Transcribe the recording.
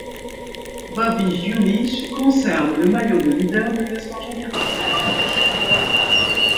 Bobby Julich conserve le maillot de leader du classement général.